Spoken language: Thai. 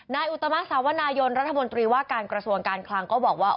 อุตมะสาวนายนรัฐมนตรีว่าการกระทรวงการคลังก็บอกว่า